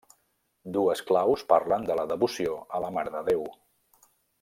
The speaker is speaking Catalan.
Dues claus parlen de la devoció a la Mare de Déu.